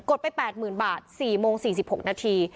ดไป๘๐๐๐บาท๔โมง๔๖นาที